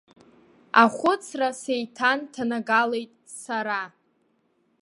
Ахәыцра сеиҭанҭанагалеит сара.